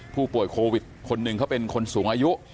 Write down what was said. ผู้ป่วยโควิดคนหนึ่งเขาเป็นคนสูงอายุ